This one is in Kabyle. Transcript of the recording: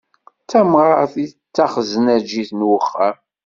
D tamɣart i d taxeznaǧit n uxxam.